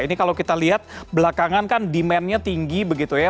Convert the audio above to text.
ini kalau kita lihat belakangan kan demandnya tinggi begitu ya